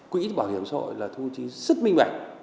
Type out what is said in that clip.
quỹ bảo hiểm xã hội là thu chi rất minh bạch